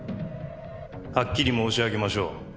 はっきり申し上げましょう。